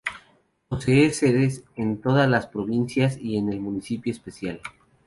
Posee sedes en todas las provincias y en el municipio especial.